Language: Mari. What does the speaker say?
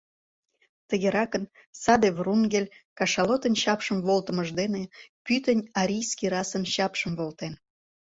Тыгеракын, саде Врунгель кашалотын чапшым волтымыж дене пӱтынь арийский расын чапшым волтен.